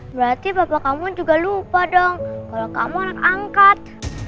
berarti bapak kamu juga lupa dong kalau kamu anak angkat